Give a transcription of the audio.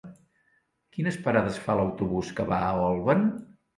Quines parades fa l'autobús que va a Olvan?